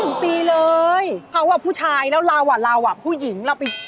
เฮียนผู้ชายเราเหรอ